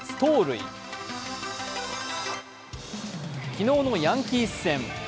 昨日のヤンキース戦。